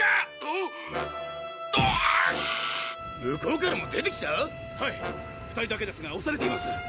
向こうからも出てきた⁉２人だけですがおされています。